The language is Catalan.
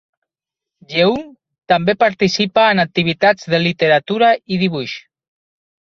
Yeung també participa en activitats de literatura i dibuix.